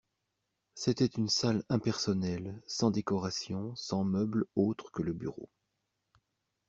C’était une salle impersonnelle, sans décoration, sans meuble autre que le bureau